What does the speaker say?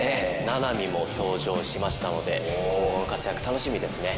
七海も登場しましたので今後の活躍楽しみですね。